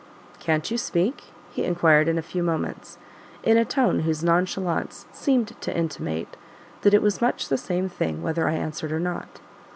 "Can't you speak?" he inquired in a few moments, in a tone whose nonchalance seemed to intimate that it was much the same thing whether I answered or not.